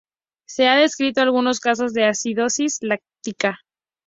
Se han descrito algunos casos de acidosis láctica.